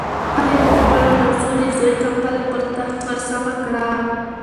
هغې په خپلو لاسو د زوی کمپله پر تخت ورسمه کړه.